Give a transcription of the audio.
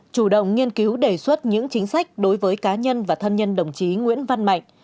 chủ động nghiên cứu đề xuất những chính sách đối với cá nhân và thân nhân đồng chí nguyễn văn mạnh